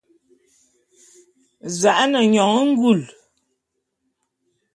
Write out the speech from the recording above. Za'a nyone ngule.